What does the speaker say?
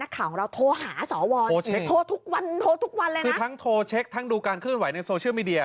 คือทั้งโทรเช็คทั้งดูการขึ้นไหวในโซเชียลมีเดีย